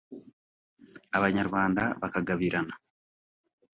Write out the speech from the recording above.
Abanyarwanda bakagabirana